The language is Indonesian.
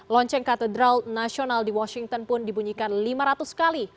lonceng katedral nasional di washington pun dibunyikan lima ratus kali